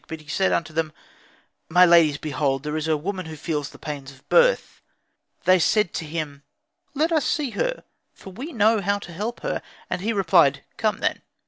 But he said unto them, "My ladies, behold, here is a woman who feels the pains of birth." They said to him, "Let us see her, for we know how to help her." And he replied, "Come, then."